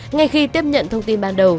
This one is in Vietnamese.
ngay khi tiếp nhận thông tin ban đầu